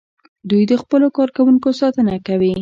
دوی د خپلو کارکوونکو ساتنه کوي.